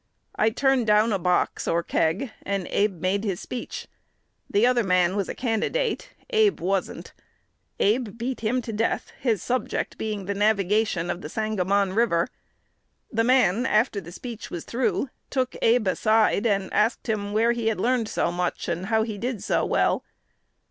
I turned down a box, or keg, and Abe made his speech. The other man was a candidate. Abe wasn't. Abe beat him to death, his subject being the navigation of the Sangamon River. The man, after the speech was through, took Abe aside, and asked him where he had learned so much, and how he did so well.